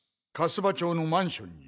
粕場町のマンションに。